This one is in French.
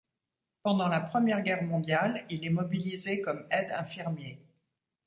Pendant la Première Guerre mondiale, il est mobilisé comme aide-infirmier.